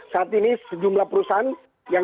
saat ini sejumlah perusahaan